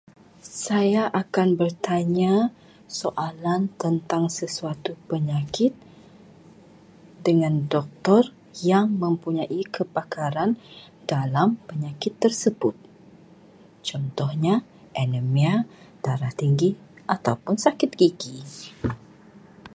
Saya akan bertanya soalan tentang sesuatu penyakit dengan doktor yang mempunyai kepakaran dalam penyakit tersebut, contohnya, anemia, darah tinggi ataupun sakit gigi.